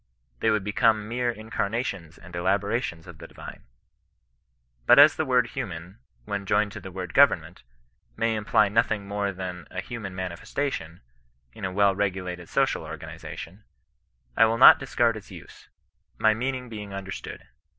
They would become mere incarnations and elaborations of the divine. But as the word human, when joined to the word government, may imply nothing more than a hum/in manifestation, in a well regulated social organization, I will not discard its use, my mean ing being understood.